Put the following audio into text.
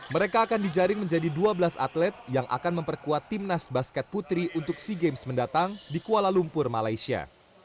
mereka akan dijaring menjadi dua belas atlet yang akan memperkuat timnas basket putri untuk sea games mendatang di kuala lumpur malaysia